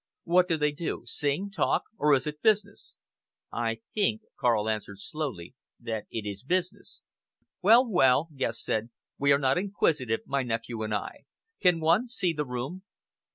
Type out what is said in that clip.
What do they do sing, talk, or is it business?" "I think," Karl answered slowly, "that it is business." "Well, well!" Guest said, "we are not inquisitive my nephew and I. Can one see the room?"